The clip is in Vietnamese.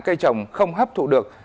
cây trồng không hấp thụ được